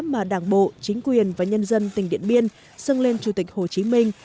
mà đảng bộ chính quyền và nhân dân tỉnh điện biên dâng lên chủ tịch hồ chí minh